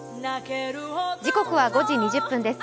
時刻は５時２０分です。